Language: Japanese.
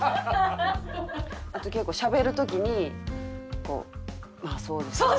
あと結構しゃべる時にこうまあそうですよね。